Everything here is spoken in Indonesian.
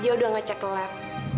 dia udah ngecek lab